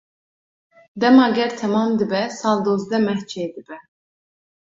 Dema ger temam dibe, sal dozdeh meh çêdibe.